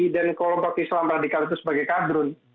dan kelompok islam radikal itu sebagai kadrun